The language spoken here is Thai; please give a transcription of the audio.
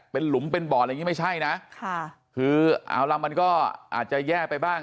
เป็นหลุมเป็นบ่ออะไรอย่างงี้ไม่ใช่นะค่ะคือเอาล่ะมันก็อาจจะแย่ไปบ้าง